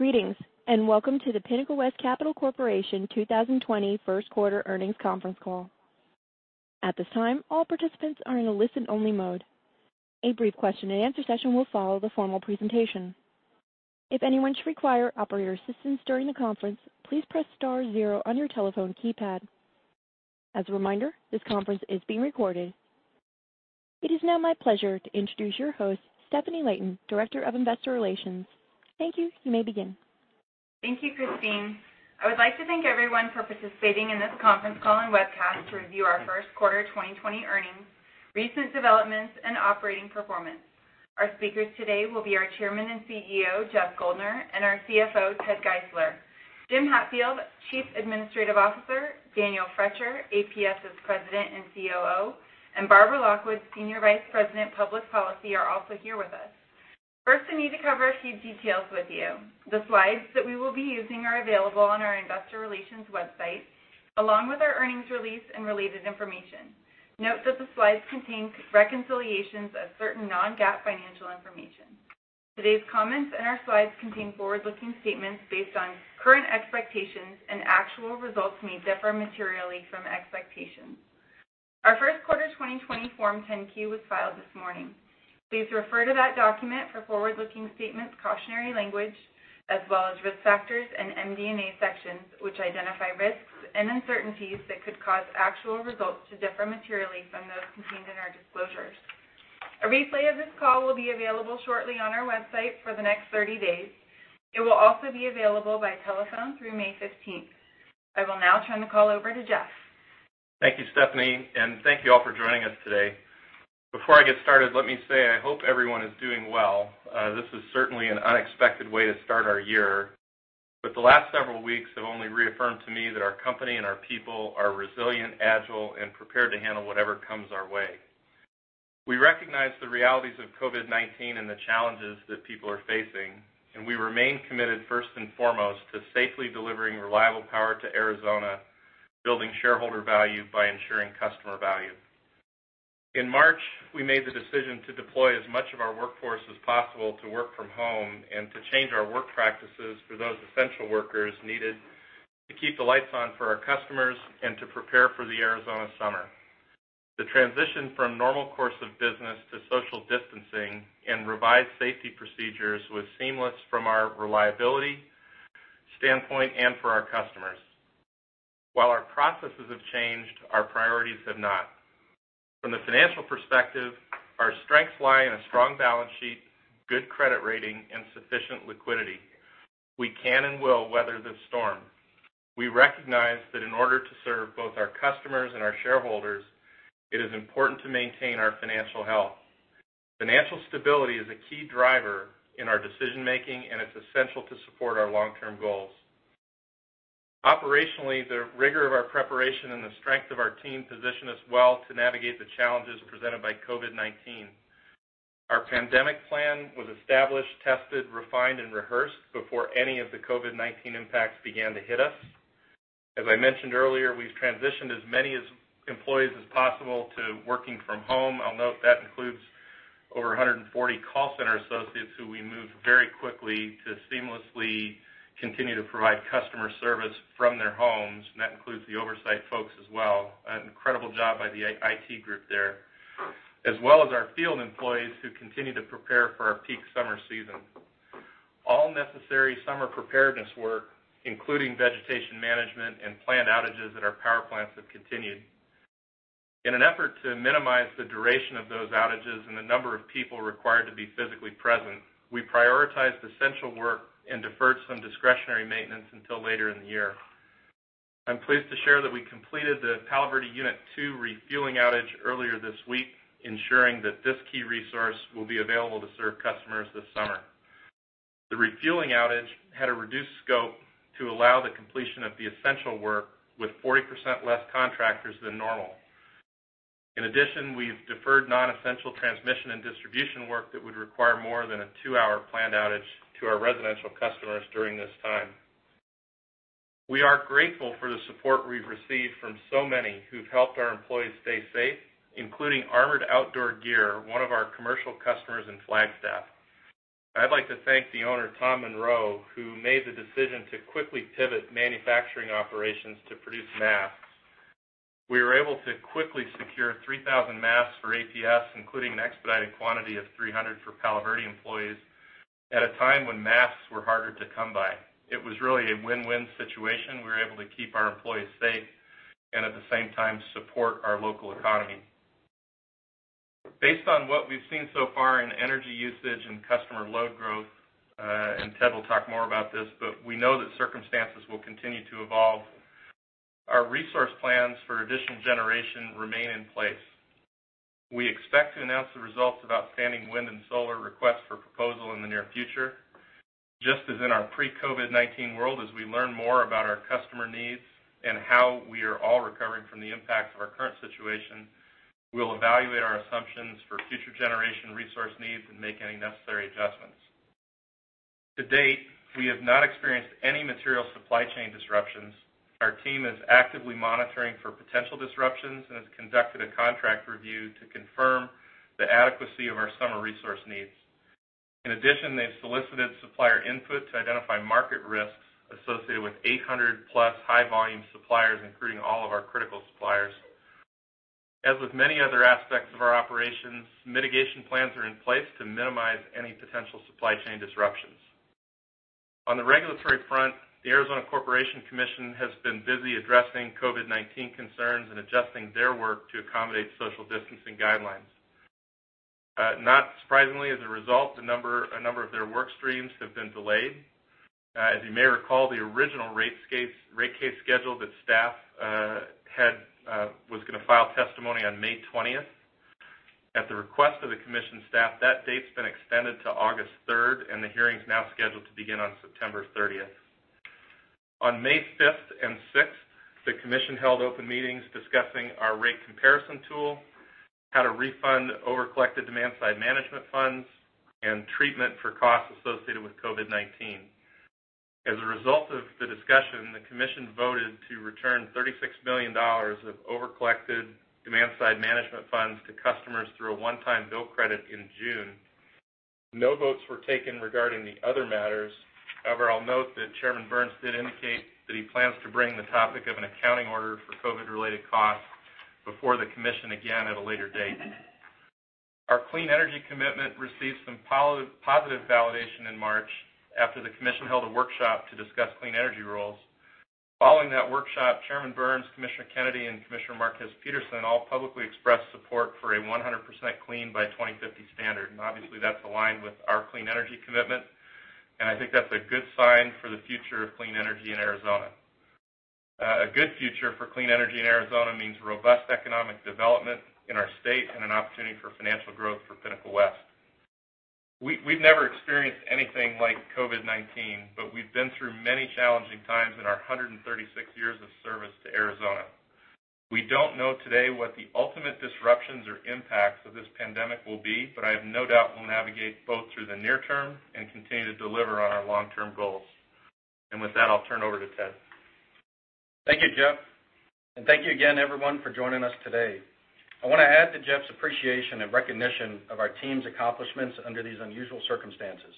Greetings, and welcome to the Pinnacle West Capital Corporation 2020 first quarter earnings conference call. At this time, all participants are in a listen-only mode. A brief question-and-answer session will follow the formal presentation. If anyone should require operator assistance during the conference, please press star zero on your telephone keypad. As a reminder, this conference is being recorded. It is now my pleasure to introduce your host, Stefanie Layton, Director of Investor Relations. Thank you. You may begin. Thank you, Christine. I would like to thank everyone for participating in this conference call and webcast to review our first quarter 2020 earnings, recent developments, and operating performance. Our speakers today will be our Chairman and CEO, Jeff Guldner, and our CFO, Ted Geisler. Jim Hatfield, Chief Administrative Officer, Daniel Froetscher, APS's President and COO, and Barbara Lockwood, Senior Vice President, Public Policy, are also here with us. First, I need to cover a few details with you. The slides that we will be using are available on our investor relations website, along with our earnings release and related information. Note that the slides contain reconciliations of certain non-GAAP financial information. Today's comments and our slides contain forward-looking statements based on current expectations, and actual results may differ materially from expectations. Our first quarter 2020 Form 10-Q was filed this morning. Please refer to that document for forward-looking statements cautionary language, as well as risk factors and MD&A sections, which identify risks and uncertainties that could cause actual results to differ materially from those contained in our disclosures. A replay of this call will be available shortly on our website for the next 30 days. It will also be available by telephone through May 15th. I will now turn the call over to Jeff. Thank you, Stefanie, and thank you all for joining us today. Before I get started, let me say I hope everyone is doing well. This is certainly an unexpected way to start our year. The last several weeks have only reaffirmed to me that our company and our people are resilient, agile, and prepared to handle whatever comes our way. We recognize the realities of COVID-19 and the challenges that people are facing, and we remain committed first and foremost to safely delivering reliable power to Arizona, building shareholder value by ensuring customer value. In March, we made the decision to deploy as much of our workforce as possible to work-from-home and to change our work practices for those essential workers needed to keep the lights on for our customers and to prepare for the Arizona summer. The transition from normal course of business to social distancing and revised safety procedures was seamless from our reliability standpoint and for our customers. While our processes have changed, our priorities have not. From the financial perspective, our strengths lie in a strong balance sheet, good credit rating, and sufficient liquidity. We can and will weather this storm. We recognize that in order to serve both our customers and our shareholders, it is important to maintain our financial health. Financial stability is a key driver in our decision-making, and it's essential to support our long-term goals. Operationally, the rigor of our preparation and the strength of our team position us well to navigate the challenges presented by COVID-19. Our pandemic plan was established, tested, refined, and rehearsed before any of the COVID-19 impacts began to hit us. As I mentioned earlier, we've transitioned as many employees as possible to working from home. I'll note that includes over 140 call center associates who we moved very quickly to seamlessly continue to provide customer service from their homes, and that includes the oversight folks as well. An incredible job by the IT group there, as well as our field employees who continue to prepare for our peak summer season. All necessary summer preparedness work, including vegetation management and planned outages at our power plants, have continued. In an effort to minimize the duration of those outages and the number of people required to be physically present, we prioritized essential work and deferred some discretionary maintenance until later in the year. I'm pleased to share that we completed the Palo Verde Unit 2 refueling outage earlier this week, ensuring that this key resource will be available to serve customers this summer. The refueling outage had a reduced scope to allow the completion of the essential work with 40% less contractors than normal. In addition, we've deferred non-essential transmission and distribution work that would require more than a two-hour planned outage to our residential customers during this time. We are grateful for the support we've received from so many who've helped our employees stay safe, including Armored Outdoor Gear, one of our commercial customers in Flagstaff. I'd like to thank the owner, Tom Monroe, who made the decision to quickly pivot manufacturing operations to produce masks. We were able to quickly secure 3,000 masks for APS, including an expedited quantity of 300 for Palo Verde employees at a time when masks were harder to come by. It was really a win-win situation. We were able to keep our employees safe and at the same time support our local economy. Based on what we've seen so far in energy usage and customer load growth, and Ted will talk more about this, but we know that circumstances will continue to evolve. Our resource plans for additional generation remain in place. We expect to announce the results of outstanding wind and solar requests for proposal in the near future. Just as in our pre-COVID-19 world, as we learn more about our customer needs and how we are all recovering from the impact of our current situation, we'll evaluate our assumptions for future generation resource needs and make any necessary adjustments. To date, we have not experienced any material supply chain disruptions. Our team is actively monitoring for potential disruptions and has conducted a contract review to confirm the adequacy of our summer resource needs. In addition, they've solicited supplier input to identify market risks associated with 800+ high volume suppliers, including all of our critical suppliers. As with many other aspects of our operations, mitigation plans are in place to minimize any potential supply chain disruptions. On the regulatory front, the Arizona Corporation Commission has been busy addressing COVID-19 concerns and adjusting their work to accommodate social distancing guidelines. Not surprisingly, as a result, a number of their work streams have been delayed. As you may recall, the original rate case schedule that staff had was going to file testimony on May 20th. At the request of the Commission staff, that date's been extended to August 3rd, and the hearing is now scheduled to begin on September 30th. On May 5th and 6th, the Commission held open meetings discussing our rate comparison tool, how to refund over-collected Demand-Side Management funds, and treatment for costs associated with COVID-19. As a result of the discussion, the Commission voted to return $36 million of over-collected Demand-Side Management funds to customers through a one-time bill credit in June. No votes were taken regarding the other matters. I'll note that Chairman Burns did indicate that he plans to bring the topic of an accounting order for COVID-related costs before the commission again at a later date. Our clean energy commitment received some positive validation in March after the commission held a workshop to discuss clean energy rules. Following that workshop, Chairman Burns, Commissioner Kennedy, and Commissioner Márquez Peterson all publicly expressed support for a 100% clean by 2050 standard. Obviously, that's aligned with our clean energy commitment, and I think that's a good sign for the future of clean energy in Arizona. A good future for clean energy in Arizona means robust economic development in our state and an opportunity for financial growth for Pinnacle West. We've never experienced anything like COVID-19, but we've been through many challenging times in our 136 years of service to Arizona. We don't know today what the ultimate disruptions or impacts of this pandemic will be, but I have no doubt we'll navigate both through the near term and continue to deliver on our long-term goals. With that, I'll turn over to Ted. Thank you, Jeff. Thank you again, everyone, for joining us today. I want to add to Jeff's appreciation and recognition of our team's accomplishments under these unusual circumstances.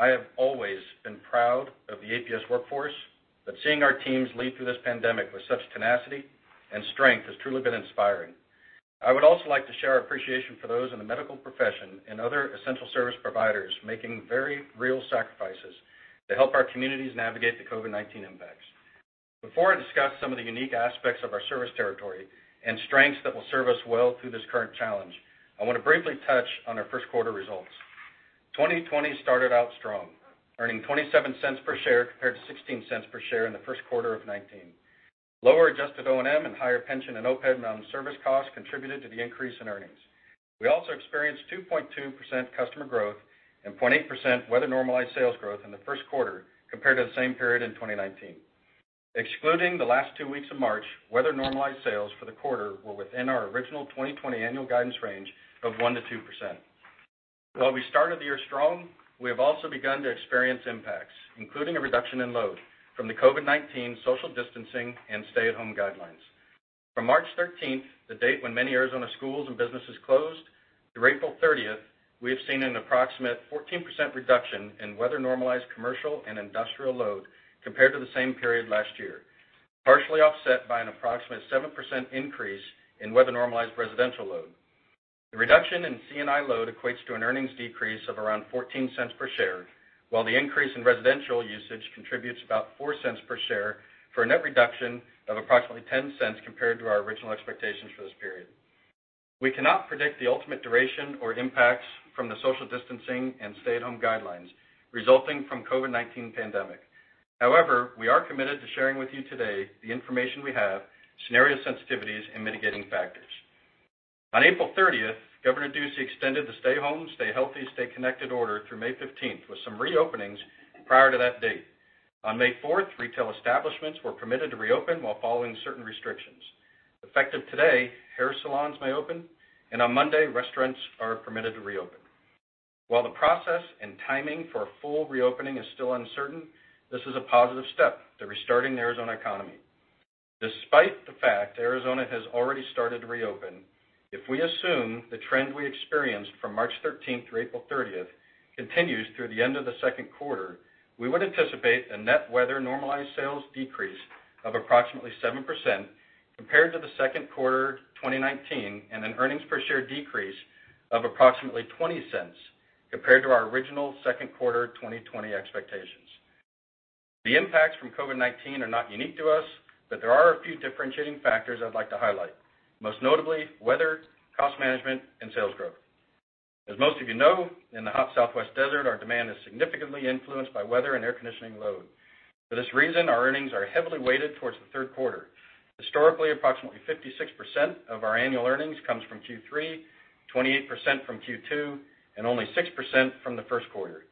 I have always been proud of the APS workforce, but seeing our teams lead through this pandemic with such tenacity and strength has truly been inspiring. I would also like to share our appreciation for those in the medical profession and other essential service providers making very real sacrifices to help our communities navigate the COVID-19 impacts. Before I discuss some of the unique aspects of our service territory and strengths that will serve us well through this current challenge, I want to briefly touch on our first quarter results. 2020 started out strong, earning $0.27 per share compared to $0.16 per share in the first quarter of 2019. Lower adjusted O&M and higher pension and OPEB non-service costs contributed to the increase in earnings. We also experienced 2.2% customer growth and 0.8% weather-normalized sales growth in the first quarter compared to the same period in 2019. Excluding the last two weeks of March, weather-normalized sales for the quarter were within our original 2020 annual guidance range of 1%-2%. While we started the year strong, we have also begun to experience impacts, including a reduction in load from the COVID-19 social distancing and stay-at-home guidelines. From March 13th, the date when many Arizona schools and businesses closed, through April 30th, we have seen an approximate 14% reduction in weather-normalized commercial and industrial load compared to the same period last year, partially offset by an approximate 7% increase in weather-normalized residential load. The reduction in C&I load equates to an earnings decrease of around $0.14 per share, while the increase in residential usage contributes about $0.04 per share for a net reduction of approximately $0.10 compared to our original expectations for this period. We cannot predict the ultimate duration or impacts from the social distancing and stay-at-home guidelines resulting from COVID-19 pandemic. We are committed to sharing with you today the information we have, scenario sensitivities, and mitigating factors. On April 30th, Governor Ducey extended the Stay Home, Stay Healthy, Stay Connected order through May 15th, with some reopenings prior to that date. On May 4th, retail establishments were permitted to reopen while following certain restrictions. Effective today, hair salons may open, on Monday, restaurants are permitted to reopen. While the process and timing for a full reopening is still uncertain, this is a positive step to restarting the Arizona economy. Despite the fact Arizona has already started to reopen, if we assume the trend we experienced from March 13th through April 30th continues through the end of the second quarter, we would anticipate a net weather-normalized sales decrease of approximately 7% compared to the second quarter 2019, and an earnings per share decrease of approximately $0.20 compared to our original second quarter 2020 expectations. The impacts from COVID-19 are not unique to us, but there are a few differentiating factors I'd like to highlight, most notably weather, cost management, and sales growth. As most of you know, in the hot Southwest desert, our demand is significantly influenced by weather and air conditioning load. For this reason, our earnings are heavily weighted towards the third quarter. Historically, approximately 56% of our annual earnings comes from Q3, 28% from Q2, and only 6% from the first quarter.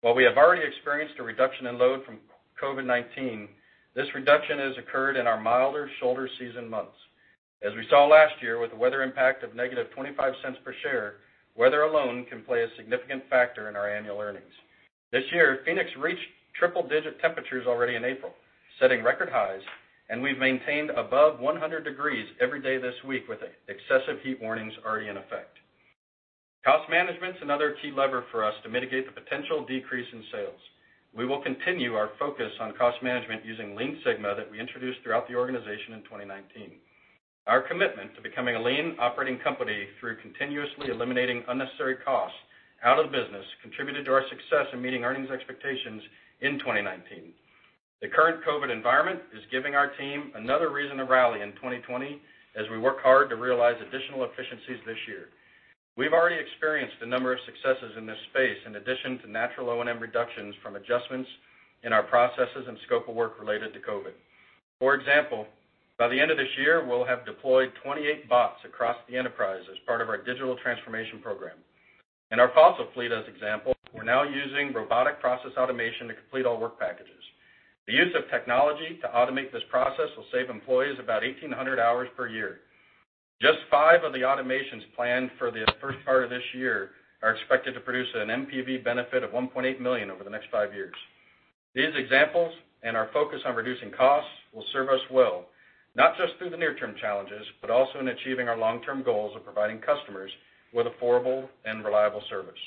While we have already experienced a reduction in load from COVID-19, this reduction has occurred in our milder shoulder season months. As we saw last year with the weather impact of -$0.25 per share, weather alone can play a significant factor in our annual earnings. This year, Phoenix reached triple-digit temperatures already in April, setting record highs, and we've maintained above 100 degrees every day this week with excessive heat warnings already in effect. Cost management's another key lever for us to mitigate the potential decrease in sales. We will continue our focus on cost management using Lean Sigma that we introduced throughout the organization in 2019. Our commitment to becoming a lean operating company through continuously eliminating unnecessary costs out of the business contributed to our success in meeting earnings expectations in 2019. The current COVID environment is giving our team another reason to rally in 2020 as we work hard to realize additional efficiencies this year. We've already experienced a number of successes in this space, in addition to natural O&M reductions from adjustments in our processes and scope of work related to COVID. For example, by the end of this year, we'll have deployed 28 bots across the enterprise as part of our digital transformation program. In our fossil fleet, as example, we're now using robotic process automation to complete all work packages. The use of technology to automate this process will save employees about 1,800 hours per year. Just five of the automations planned for the first part of this year are expected to produce an NPV benefit of $1.8 million over the next five years. These examples and our focus on reducing costs will serve us well, not just through the near-term challenges, but also in achieving our long-term goals of providing customers with affordable and reliable service.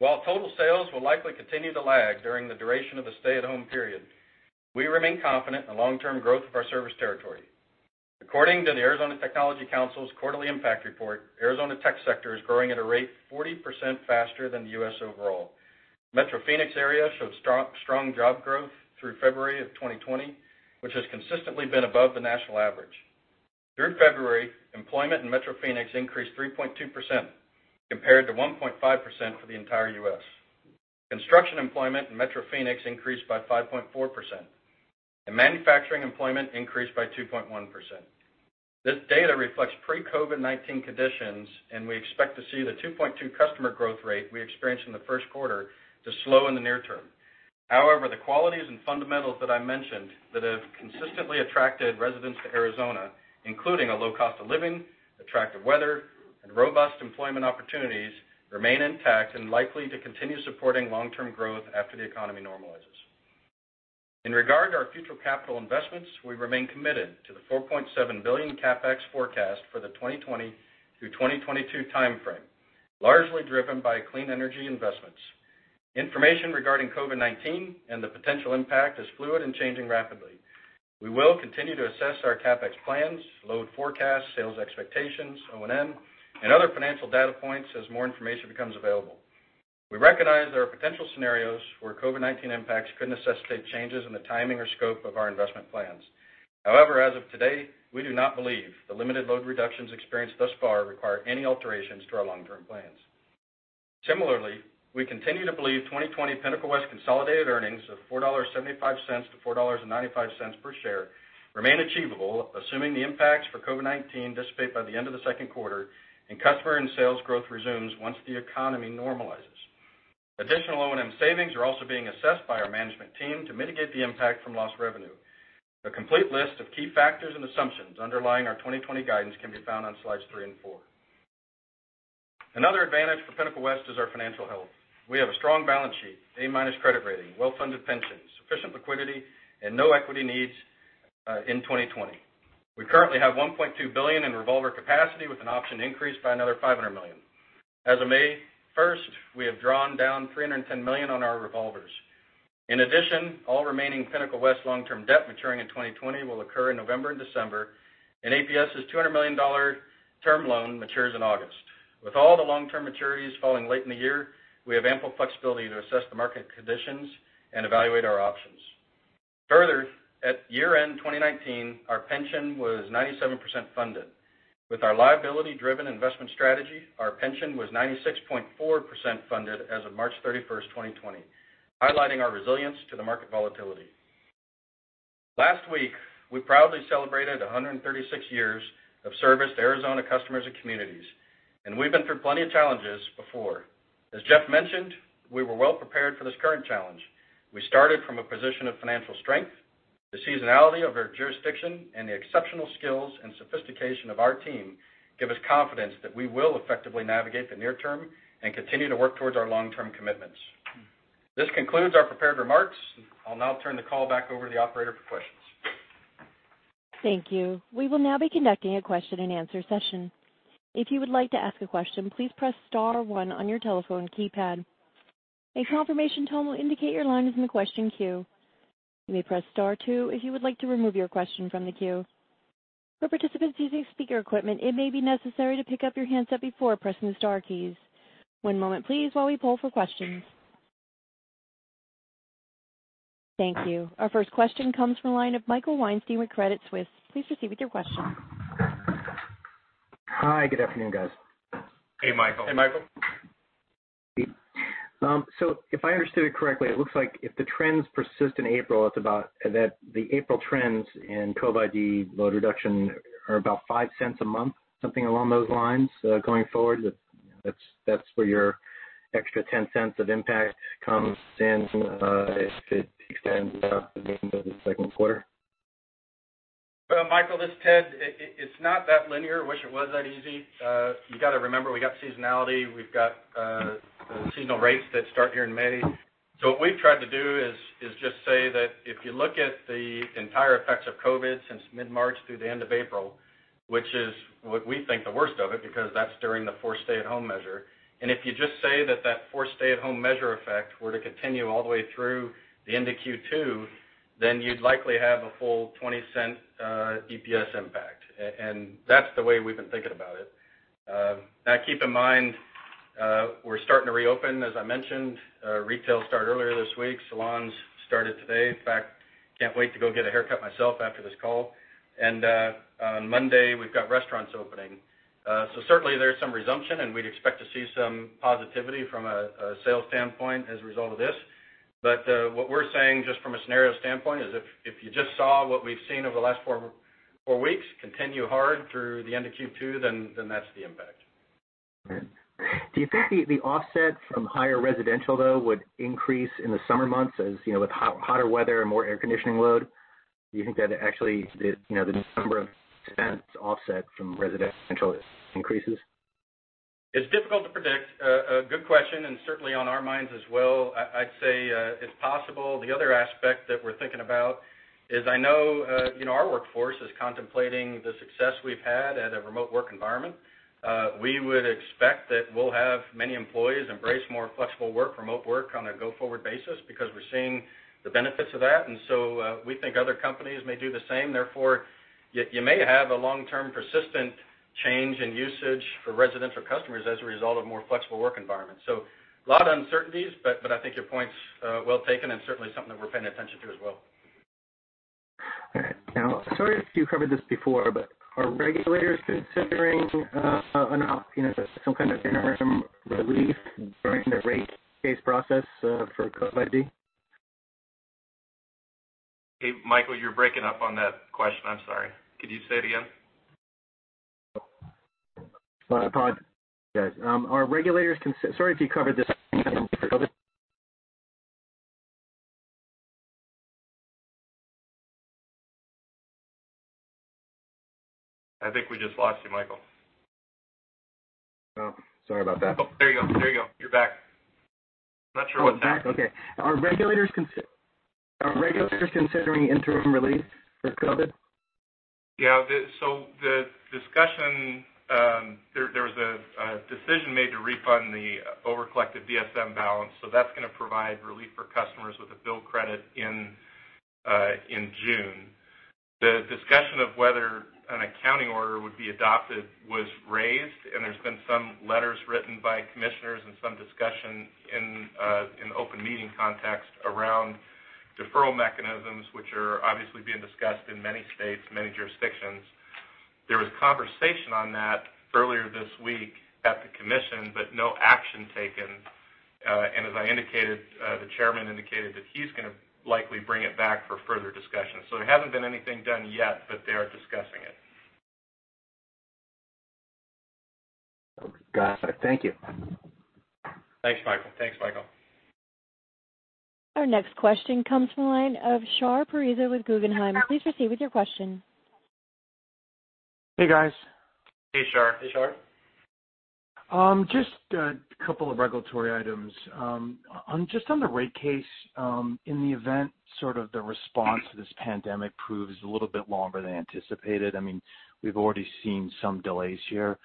While total sales will likely continue to lag during the duration of the stay-at-home period, we remain confident in the long-term growth of our service territory. According to the Arizona Technology Council's quarterly impact report, Arizona tech sector is growing at a rate 40% faster than the U.S. overall. Metro Phoenix area showed strong job growth through February of 2020, which has consistently been above the national average. Through February, employment in Metro Phoenix increased 3.2%, compared to 1.5% for the entire U.S. Construction employment in Metro Phoenix increased by 5.4%. Manufacturing employment increased by 2.1%. This data reflects pre-COVID-19 conditions. We expect to see the 2.2 customer growth rate we experienced in the first quarter to slow in the near term. However, the qualities and fundamentals that I mentioned that have consistently attracted residents to Arizona, including a low cost of living, attractive weather, and robust employment opportunities remain intact and likely to continue supporting long-term growth after the economy normalizes. In regard to our future capital investments, we remain committed to the $4.7 billion CapEx forecast for the 2020 through 2022 timeframe, largely driven by clean energy investments. Information regarding COVID-19 and the potential impact is fluid and changing rapidly. We will continue to assess our CapEx plans, load forecasts, sales expectations, O&M, and other financial data points as more information becomes available. We recognize there are potential scenarios where COVID-19 impacts could necessitate changes in the timing or scope of our investment plans. As of today, we do not believe the limited load reductions experienced thus far require any alterations to our long-term plans. We continue to believe 2020 Pinnacle West consolidated earnings of $4.75-$4.95 per share remain achievable, assuming the impacts for COVID-19 dissipate by the end of the second quarter and customer and sales growth resumes once the economy normalizes. Additional O&M savings are also being assessed by our management team to mitigate the impact from lost revenue. A complete list of key factors and assumptions underlying our 2020 guidance can be found on Slides three and four. Another advantage for Pinnacle West is our financial health. We have a strong balance sheet, A-minus credit rating, well-funded pensions, sufficient liquidity, and no equity needs in 2020. We currently have $1.2 billion in revolver capacity with an option increase by another $500 million. As of May 1st, we have drawn down $310 million on our revolvers. In addition, all remaining Pinnacle West long-term debt maturing in 2020 will occur in November and December, and APS's $200 million term loan matures in August. With all the long-term maturities falling late in the year, we have ample flexibility to assess the market conditions and evaluate our options. Further, at year-end 2019, our pension was 97% funded. With our liability-driven investment strategy, our pension was 96.4% funded as of March 31st, 2020, highlighting our resilience to the market volatility. Last week, we proudly celebrated 136 years of service to Arizona customers and communities, and we've been through plenty of challenges before. As Jeff mentioned, we were well prepared for this current challenge. We started from a position of financial strength. The seasonality of our jurisdiction and the exceptional skills and sophistication of our team give us confidence that we will effectively navigate the near-term and continue to work towards our long-term commitments. This concludes our prepared remarks. I'll now turn the call back over to the operator for questions. Thank you. We will now be conducting a question-and-answer session. If you would like to ask a question, please press star one on your telephone keypad. A confirmation tone will indicate your line is in the question queue. You may press star two if you would like to remove your question from the queue. For participants using speaker equipment, it may be necessary to pick up your handset before pressing the star keys. One moment, please, while we poll for questions. Thank you. Our first question comes from the line of Michael Weinstein with Credit Suisse. Please proceed with your question. Hi. Good afternoon, guys. Hey, Michael. Hey, Michael. If I understood it correctly, it looks like it's about the April trends in COVID load reduction are about $0.05 a month, something along those lines going forward. That's where your extra $0.10 of impact comes in, if it extends out to the end of the second quarter. Michael, this is Ted. It's not that linear. Wish it was that easy. You got to remember, we got seasonality. We've got the seasonal rates that start here in May. What we've tried to do is just say that if you look at the entire effects of COVID-19 since mid-March through the end of April, which is what we think the worst of it, because that's during the forced stay-at-home measure, and if you just say that forced stay-at-home measure effect were to continue all the way through the end of Q2, then you'd likely have a full $0.20 EPS impact. That's the way we've been thinking about it. Keep in mind, we're starting to reopen, as I mentioned. Retail started earlier this week. Salons started today. In fact, can't wait to go get a haircut myself after this call. On Monday, we've got restaurants opening. Certainly, there's some resumption, and we'd expect to see some positivity from a sales standpoint as a result of this. What we're saying, just from a scenario standpoint, is if you just saw what we've seen over the last four weeks continue hard through the end of Q2, then that's the impact. All right. Do you think the offset from higher residential, though, would increase in the summer months as with hotter weather and more air conditioning load? Do you think that it actually, the number of cents offset from residential increases? It's difficult to predict. A good question, and certainly on our minds as well. I'd say it's possible. The other aspect that we're thinking about is I know our workforce is contemplating the success we've had at a remote work environment. We would expect that we'll have many employees embrace more flexible work, remote work, on a go-forward basis because we're seeing the benefits of that. We think other companies may do the same. Therefore, you may have a long-term persistent change in usage for residential customers as a result of more flexible work environments. A lot of uncertainties, but I think your point's well taken and certainly something that we're paying attention to as well. All right. Sorry if you covered this before, but are regulators considering some kind of interim relief during the rate case process for COVID? Hey, Michael, you're breaking up on that question. I'm sorry. Could you say it again? Sorry about that, guys. Are regulators. Sorry if you covered this. I think we just lost you, Michael. Oh, sorry about that. Oh, there you go. You're back. Not sure what happened. Oh, I'm back? Okay. Are regulators considering interim relief for COVID-19? Yeah. The discussion, there was a decision made to refund the over-collected DSM balance, so that's going to provide relief for customers with a bill credit in June. The discussion of whether an accounting order would be adopted was raised, and there's been some letters written by commissioners and some discussion in open meeting context around deferral mechanisms, which are obviously being discussed in many states, many jurisdictions. There was conversation on that earlier this week at the Commission, but no action taken. As I indicated, the Chairman indicated that he's going to likely bring it back for further discussion. There hasn't been anything done yet, but they are discussing it. Got it. Thank you. Thanks, Michael. Our next question comes from the line of Shar Pourreza with Guggenheim. Please proceed with your question. Hey, guys. Hey, Shar. Hey, Shar. Just a couple of regulatory items. Just on the rate case, in the event the response to this pandemic proves a little bit longer than anticipated, we've already seen some delays here.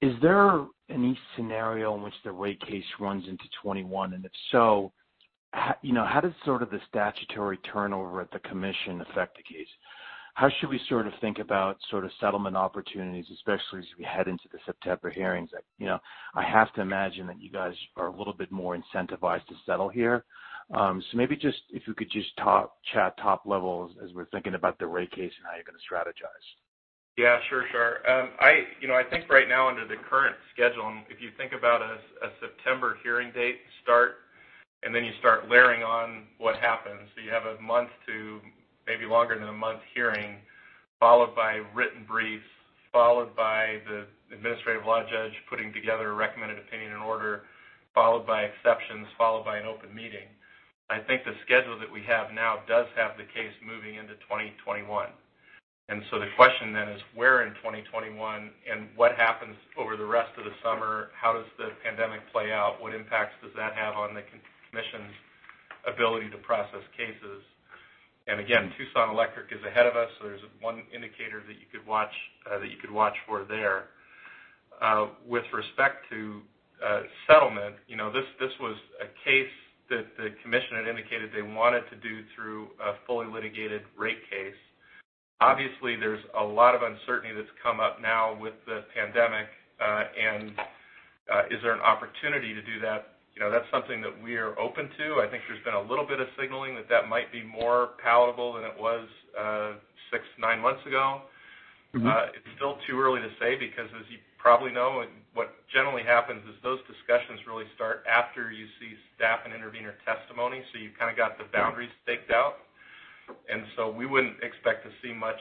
Is there any scenario in which the rate case runs into 2021? If so, how does the statutory turnover at the commission affect the case? How should we think about settlement opportunities, especially as we head into the September hearings? I have to imagine that you guys are a little bit more incentivized to settle here. Maybe if you could just chat top levels as we're thinking about the rate case and how you're going to strategize. Yeah, sure, Shar. I think right now, under the current schedule, if you think about a September hearing date to start, and then you start layering on what happens. You have a month to maybe longer than a month hearing, followed by written briefs, followed by the administrative law judge putting together a recommended opinion and order, followed by exceptions, followed by an open meeting. I think the schedule that we have now does have the case moving into 2021. The question then is where in 2021, and what happens over the rest of the summer, how does the pandemic play out? What impacts does that have on the Commission's ability to process cases? Again, Tucson Electric is ahead of us, so there's one indicator that you could watch for there. With respect to settlement, this was a case that the Commission had indicated they wanted to do through a fully litigated rate case. Obviously, there's a lot of uncertainty that's come up now with the pandemic. Is there an opportunity to do that? That's something that we are open to. I think there's been a little bit of signaling that that might be more palatable than it was 6-9 months ago. It's still too early to say because, as you probably know, what generally happens is those discussions really start after you see staff and intervenor testimony, so you kind of got the boundaries staked out. We wouldn't expect to see much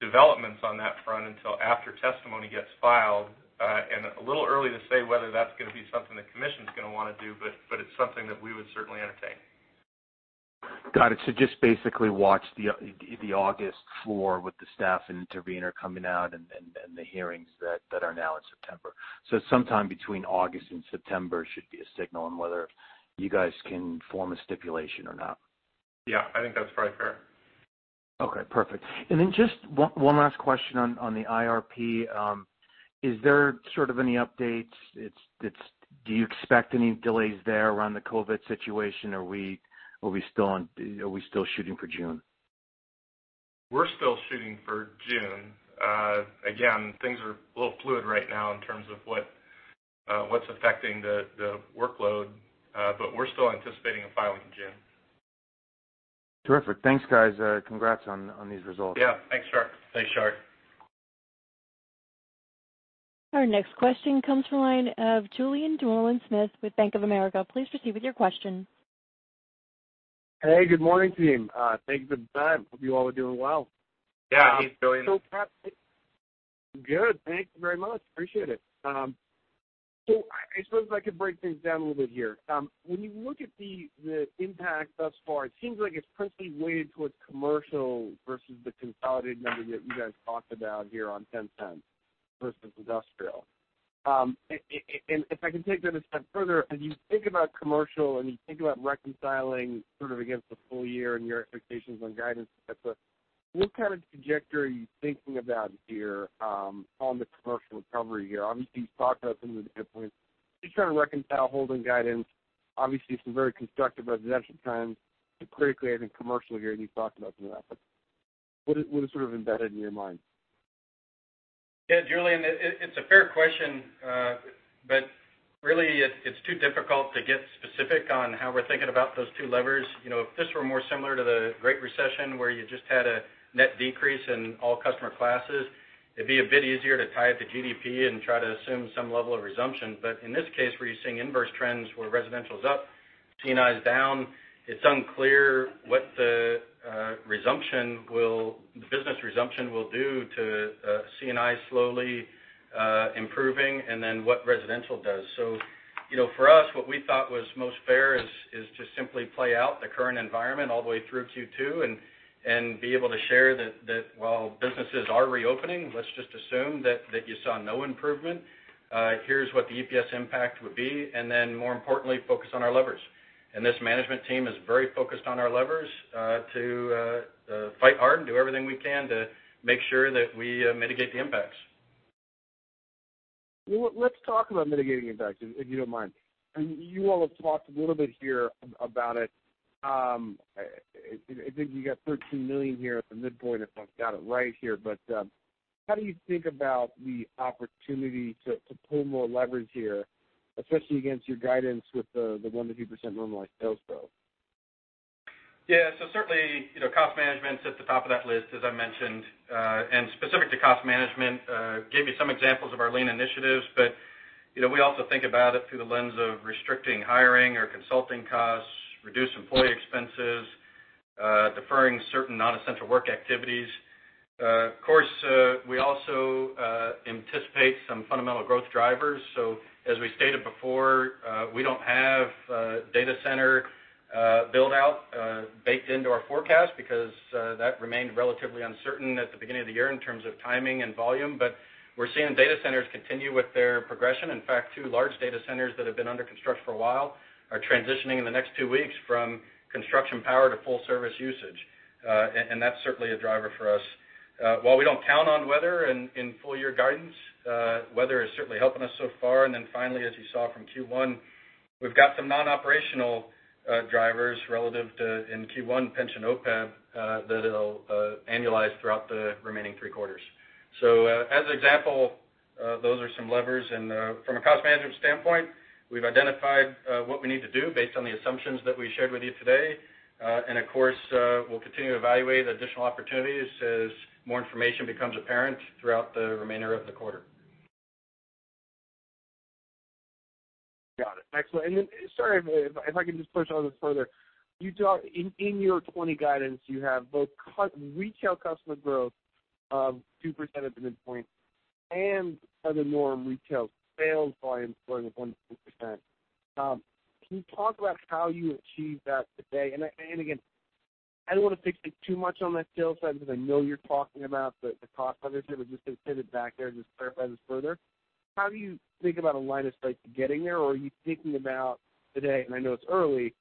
developments on that front until after testimony gets filed. A little early to say whether that's going to be something the Commission's going to want to do, but it's something that we would certainly entertain. Got it. Just basically watch the August floor with the staff and intervenor coming out and the hearings that are now in September. Sometime between August and September should be a signal on whether you guys can form a stipulation or not. Yeah, I think that's probably fair. Okay, perfect. Just one last question on the IRP. Is there any updates? Do you expect any delays there around the COVID situation? Are we still shooting for June? We're still shooting for June. Again, things are a little fluid right now in terms of what's affecting the workload. We're still anticipating a filing in June. Terrific. Thanks, guys. Congrats on these results. Yeah. Thanks, Shar. Thanks, Shar. Our next question comes from the line of Julien Dumoulin-Smith with Bank of America. Please proceed with your question. Hey, good morning, team. Thanks for the time. Hope you all are doing well. Yeah. Thanks, Julien. Good. Thank you very much. Appreciate it. I suppose I could break things down a little bit here. When you look at the impact thus far, it seems like it's principally weighted towards commercial versus the consolidated number that you guys talked about here on $0.10 versus industrial. If I can take that a step further, as you think about commercial and you think about reconciling sort of against the full-year and your expectations on guidance and stuff, what kind of trajectory are you thinking about here on the commercial recovery here? Obviously, you've talked about some of the data points. Just trying to reconcile, holding guidance. Obviously, some very constructive residential trends, but critically, I think commercial here, and you've talked about some of that, but what is sort of embedded in your mind? Yeah, Julien, it's a fair question. Really, it's too difficult to get specific on how we're thinking about those two levers. If this were more similar to the Great Recession, where you just had a net decrease in all customer classes, it'd be a bit easier to tie it to GDP and try to assume some level of resumption. In this case, where you're seeing inverse trends where residential is up, C&I is down, it's unclear what the business resumption will do to C&I slowly improving, and then what residential does. For us, what we thought was most fair is to simply play out the current environment all the way through Q2 and be able to share that while businesses are reopening, let's just assume that you saw no improvement. Here's what the EPS impact would be, and then more importantly, focus on our levers. This management team is very focused on our levers to fight hard and do everything we can to make sure that we mitigate the impacts. Well, let's talk about mitigating impacts, if you don't mind. You all have talked a little bit here about it. I think you got $13 million here at the midpoint, if I've got it right here. How do you think about the opportunity to pull more leverage here, especially against your guidance with the 1%-2% normalized sales growth? Yeah. Certainly, cost management's at the top of that list, as I mentioned. Specific to cost management, gave you some examples of our lean initiatives, but we also think about it through the lens of restricting hiring or consulting costs, reduce employee expenses, deferring certain non-essential work activities. Of course, we also anticipate some fundamental growth drivers. As we stated before, we don't have data center build-out baked into our forecast because that remained relatively uncertain at the beginning of the year in terms of timing and volume. We're seeing data centers continue with their progression. In fact, two large data centers that have been under construction for a while are transitioning in the next two weeks from construction power to full-service usage. That's certainly a driver for us. While we don't count on weather in full-year guidance, weather is certainly helping us so far. Finally, as you saw from Q1, we've got some non-operational drivers relative to in Q1 pension OPEB that'll annualize throughout the remaining three quarters. As an example, those are some levers. From a cost management standpoint, we've identified what we need to do based on the assumptions that we shared with you today. Of course, we'll continue to evaluate additional opportunities as more information becomes apparent throughout the remainder of the quarter. Got it. Excellent. Then, sorry, if I can just push on this further. In your 2020 guidance, you have both retail customer growth of 2% at the midpoint and other non-res retail sales volume growing at 1%-2%. Can you talk about how you achieve that today? Again, I don't want to fixate too much on that sales side because I know you're talking about the cost side of it, just to pivot back there and just clarify this further, how do you think about a line of sight to getting there? Are you thinking about today, and I know it's early,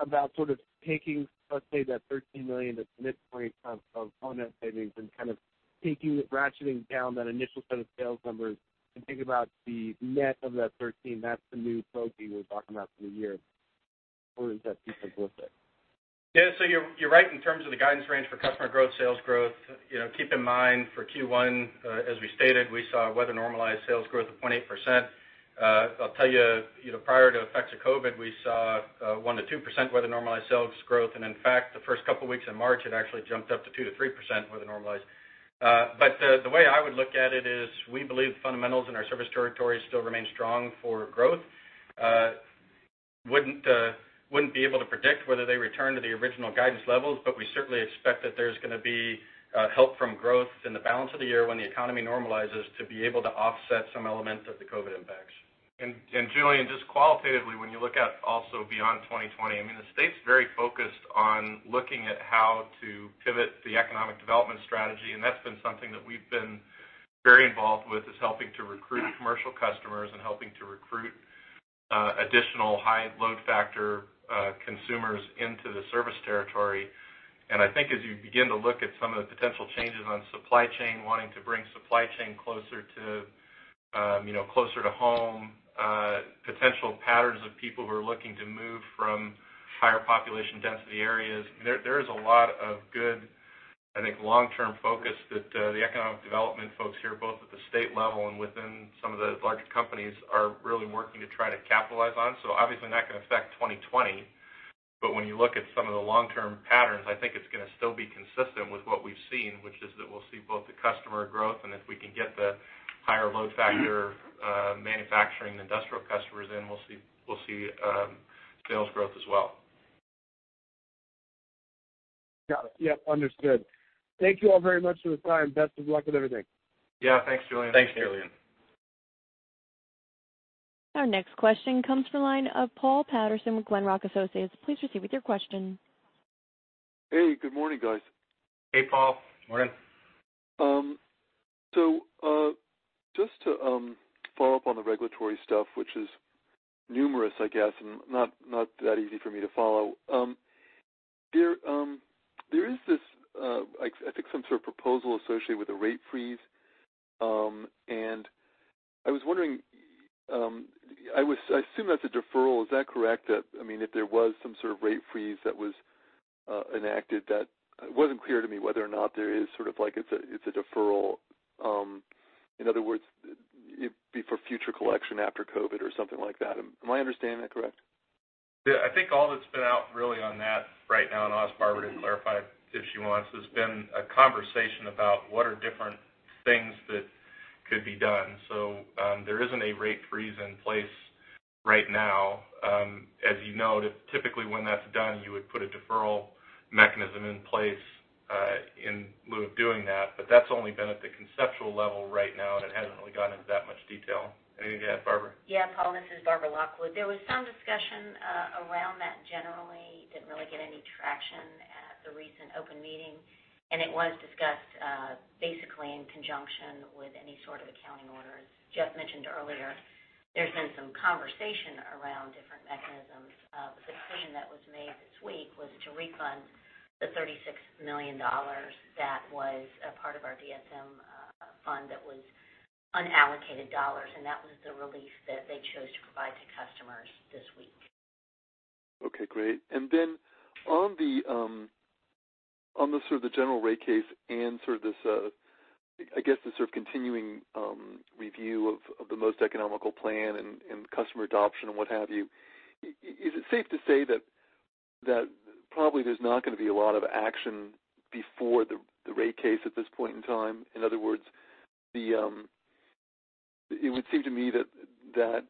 about sort of taking, let's say, that $13 million at the midpoint of net savings and kind of ratcheting down that initial set of sales numbers and think about the net of that $13, that's the new growth you were talking about for the year. Is that too simplistic? Yeah. You're right in terms of the guidance range for customer growth, sales growth. Keep in mind for Q1, as we stated, we saw weather-normalized sales growth of 0.8%. I'll tell you, prior to effects of COVID, we saw 1%-2% weather-normalized sales growth. In fact, the first couple of weeks in March, it actually jumped up to 2%-3% weather normalized. The way I would look at it is we believe the fundamentals in our service territories still remain strong for growth. Wouldn't be able to predict whether they return to the original guidance levels, but we certainly expect that there's going to be help from growth in the balance of the year when the economy normalizes to be able to offset some elements of the COVID impacts. Julien, just qualitatively, when you look at also beyond 2020, the state's very focused on looking at how to pivot the economic development strategy. That's been something that we've been very involved with, is helping to recruit commercial customers and helping to recruit additional high load factor consumers into the service territory. I think as you begin to look at some of the potential changes on supply chain, wanting to bring supply chain closer to home, potential patterns of people who are looking to move from higher population density areas. There is a lot of good, I think, long-term focus that the economic development folks here, both at the state level and within some of the large companies, are really working to try to capitalize on. Obviously, not going to affect 2020, but when you look at some of the long-term patterns, I think it's going to still be consistent with what we've seen, which is that we'll see both the customer growth and if we can get the higher load factor manufacturing industrial customers in, we'll see sales growth as well. Got it. Yep, understood. Thank you all very much for the time, best of luck with everything. Yeah, thanks, Julien. Thanks, Julien. Our next question comes from the line of Paul Patterson with Glenrock Associates. Please proceed with your question. Hey, good morning, guys. Hey, Paul. Morning. Just to follow-up on the regulatory stuff, which is numerous, I guess, and not that easy for me to follow. There is this, I think, some sort of proposal associated with a rate freeze. I was wondering, I assume that's a deferral. Is that correct? If there was some sort of rate freeze that was enacted that it wasn't clear to me whether or not there is sort of like it's a deferral. In other words, it'd be for future collection after COVID or something like that. Am I understanding that correct? Yeah. I think all that's been out really on that right now, and I'll ask Barbara to clarify if she wants, there's been a conversation about what are different things that could be done. There isn't a rate freeze in place right now. As you know, typically when that's done, you would put a deferral mechanism in place in lieu of doing that. That's only been at the conceptual level right now, and it hasn't really gone into that much detail. Anything to add, Barbara? Yeah, Paul, this is Barbara Lockwood. There was some discussion around that generally. Didn't really get any traction at the recent open meeting, and it was discussed basically in conjunction with any sort of accounting orders. Jeff mentioned earlier there's been some conversation around different mechanisms. The decision that was made this week was to refund the $36 million that was a part of our DSM fund that was unallocated dollars, and that was the relief that they chose to provide to customers this week. Okay, great. Then on the sort of the general rate case and sort of this, I guess, the sort of continuing review of the most economical plan and customer adoption and what have you? Is it safe to say that probably there's not going to be a lot of action before the rate case at this point in time? In other words, it would seem to me that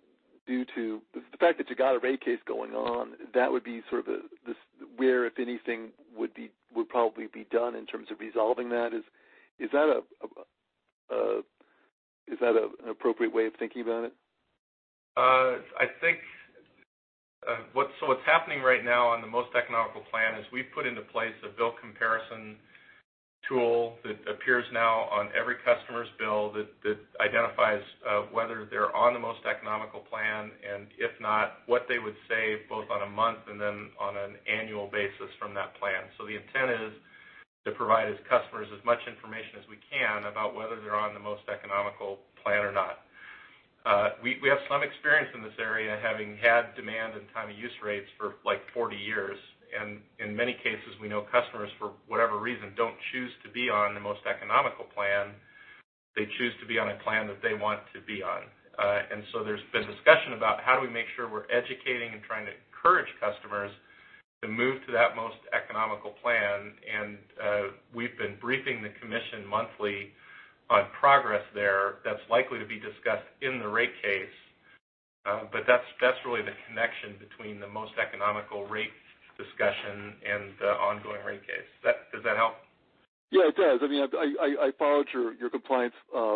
due to the fact that you got a rate case going on, that would be sort of where, if anything, would probably be done in terms of resolving that. Is that an appropriate way of thinking about it? What's happening right now on the most economical plan is we've put into place a bill comparison tool that appears now on every customer's bill that identifies whether they're on the most economical plan, and if not, what they would save both on a month and then on an annual basis from that plan. The intent is to provide as customers as much information as we can about whether they're on the most economical plan or not. We have some experience in this area, having had demand and time of use rates for 40 years. In many cases, we know customers, for whatever reason, don't choose to be on the most economical plan. They choose to be on a plan that they want to be on. There's been discussion about how do we make sure we're educating and trying to encourage customers to move to that most economical plan. We've been briefing the commission monthly on progress there that's likely to be discussed in the rate case, but that's really the connection between the most economical rate discussion and the ongoing rate case. Does that help? Yeah, it does. I followed your compliance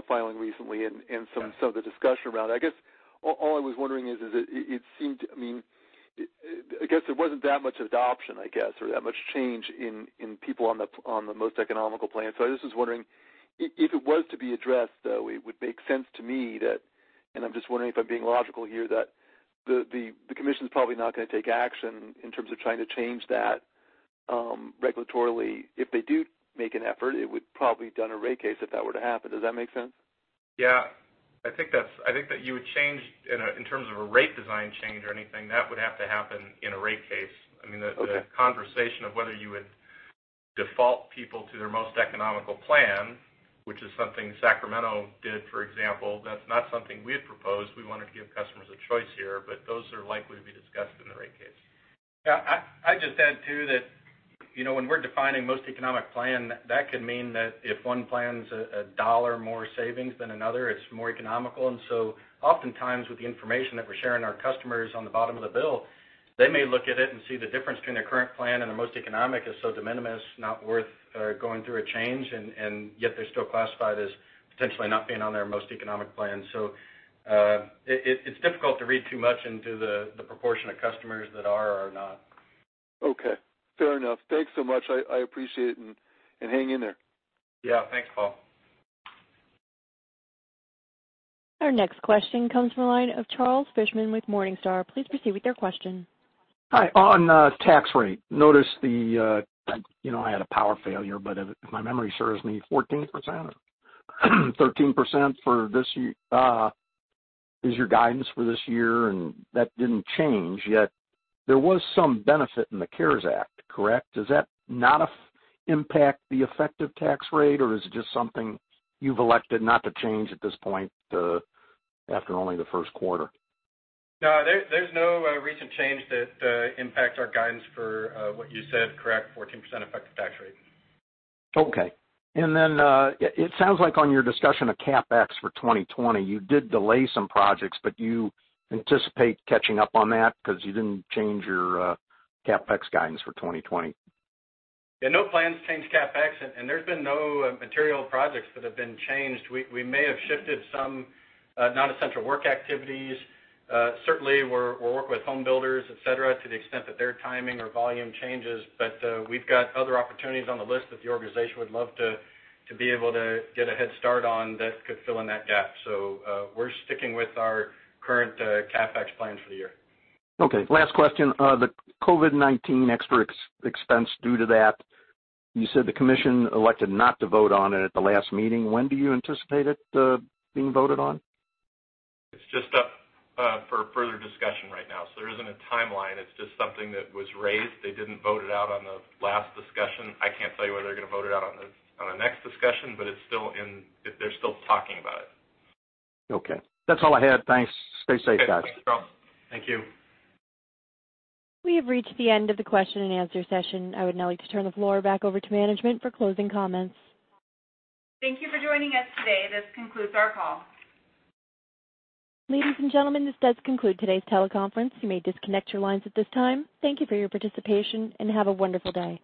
filing recently and some of the discussion around it. I guess all I was wondering is, I guess there wasn't that much adoption, I guess, or that much change in people on the most economical plan. I was just wondering if it was to be addressed, though it would make sense to me that, and I'm just wondering if I'm being logical here, that the Commission's probably not going to take action in terms of trying to change that regulatorily. If they do make an effort, it would probably done a rate case if that were to happen. Does that make sense? Yeah, I think that you would change in terms of a rate design change or anything, that would have to happen in a rate case. Okay. The conversation of whether you would default people to their most economical plan, which is something Sacramento did, for example. That's not something we had proposed. We wanted to give customers a choice here, but those are likely to be discussed in the rate case. Yeah. I'd just add, too, that when we're defining most economic plan, that could mean that if one plan's a $1 more savings than another, it's more economical. Oftentimes with the information that we're sharing our customers on the bottom of the bill, they may look at it and see the difference between their current plan and their most economic is so de minimis, not worth going through a change, and yet they're still classified as potentially not being on their most economic plan. It's difficult to read too much into the proportion of customers that are or are not. Okay. Fair enough. Thanks so much. I appreciate it, and hang in there. Yeah. Thanks, Paul. Our next question comes from the line of Charles Fishman with Morningstar. Please proceed with your question. Hi. On tax rate, notice the, I had a power failure, but if my memory serves me, 14% or 13% is your guidance for this year, and that didn't change, yet there was some benefit in the CARES Act, correct? Does that not impact the effective tax rate, or is it just something you've elected not to change at this point, after only the first quarter? No, there's no recent change that impacts our guidance for what you said, correct, 14% effective tax rate. Okay. It sounds like on your discussion of CapEx for 2020, you did delay some projects, but you anticipate catching up on that because you didn't change your CapEx guidance for 2020. Yeah, no plans to change CapEx, and there's been no material projects that have been changed. We may have shifted some non-essential work activities. Certainly we're working with home builders, et cetera, to the extent that their timing or volume changes. We've got other opportunities on the list that the organization would love to be able to get a head start on that could fill in that gap. We're sticking with our current CapEx plans for the year. Okay. Last question. The COVID-19 extra expense due to that, you said the Commission elected not to vote on it at the last meeting. When do you anticipate it being voted on? It's just up for further discussion right now, so there isn't a timeline. It's just something that was raised. They didn't vote it out on the last discussion. I can't tell you whether they're going to vote it out on the next discussion, but they're still talking about it. Okay. That's all I had. Thanks. Stay safe, guys. Okay. Thanks, Charles. Thank you. We have reached the end of the question-and-answer session. I would now like to turn the floor back over to management for closing comments. Thank you for joining us today. This concludes our call. Ladies and gentlemen, this does conclude today's teleconference. You may disconnect your lines at this time. Thank you for your participation, and have a wonderful day.